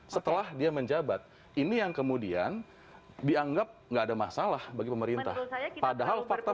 setelah dia menjabat ini yang kemudian dianggap enggak ada masalah bagi pemerintah padahal fakta